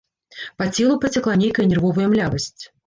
Па целу пацякла нейкая нервовая млявасць.